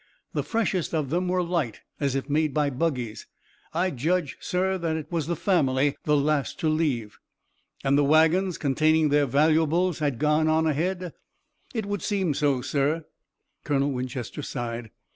The freshest of them were light, as if made by buggies. I judge, sir, that it was the family, the last to leave." "And the wagons containing their valuables had gone on ahead?" "It would seem so, sir." Colonel Winchester sighed.